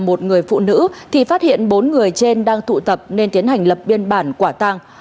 một người phụ nữ thì phát hiện bốn người trên đang tụ tập nên tiến hành lập biên bản quả tàng